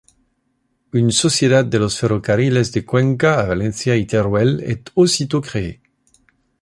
Une Sociedad de los Ferrocarriles de Cuenca a Valencia y Teruel est aussitôt créée.